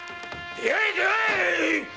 出会え出会え‼